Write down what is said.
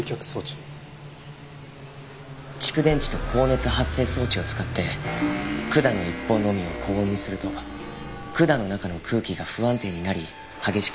蓄電池と高熱発生装置を使って管の一方のみを高温にすると管の中の空気が不安定になり激しく振動します。